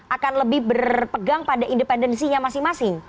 akan lebih berpegang pada independensinya masing masing